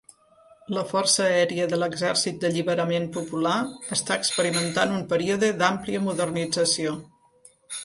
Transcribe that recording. La Força Aèria de l'Exèrcit d'Alliberament Popular està experimentant un període d'àmplia modernització.